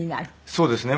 そうですね。